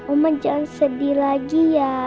oman jangan sedih lagi ya